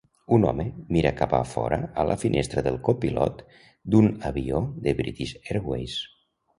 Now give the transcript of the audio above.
Un home mira cap a fora a la finestra del copilot d'un avió de British Airways